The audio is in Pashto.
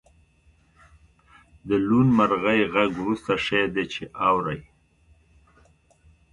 د لوون مرغۍ غږ وروستی شی دی چې اورئ